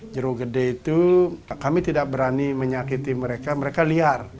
jero gede itu kami tidak berani menyakiti mereka mereka liar